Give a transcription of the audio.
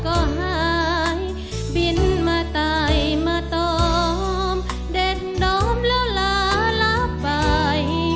ก็หายบินมาตายมาตอมเด็ดน้อมแล้วลาลาไป